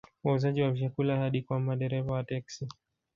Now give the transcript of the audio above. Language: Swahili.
Wauzaji wa vyakula hadi kwa madereva wa teksi